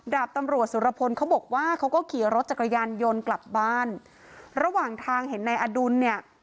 ดาบตำรวจสุรพลเขาบอกว่าเขาก็ขี่รถจักรยานยนต์กลับบ้านระหว่างทางเห็นนายอดุลเนี่ย